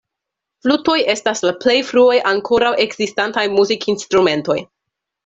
Flutoj estas la plej fruaj ankoraŭ ekzistantaj muzikinstrumentoj.